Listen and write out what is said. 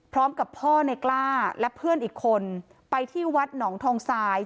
พร้อมกับพ่อในกล้าและเพื่อนอีกคนไปที่วัดหนองทองทราย